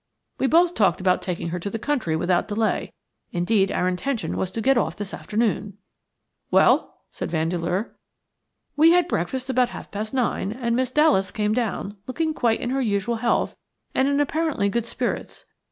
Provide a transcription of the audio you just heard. We both talked about taking her to the country without delay. Indeed, our intention was to get off this afternoon." "Well?" said Vandeleur. "We had breakfast about half past nine, and Miss Dallas came down, looking quite in her usual health, and in apparently good spirits.